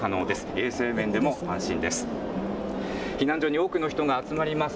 衛生面でも安心です。